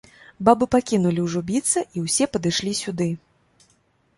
Бабы пакінулі ўжо біцца і ўсе падышлі сюды.